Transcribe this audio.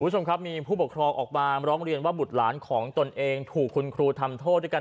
คุณผู้ชมครับมีผู้ปกครองออกมาร้องเรียนว่าบุตรหลานของตนเองถูกคุณครูทำโทษด้วยกัน